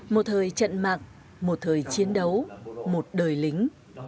một thời trận mạng một thời chiến đấu một đời lính